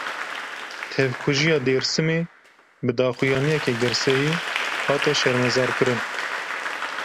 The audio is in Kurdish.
Tevkujiya Dêrsimê, bi daxuyaniyeke girseyî hate şermezarkirin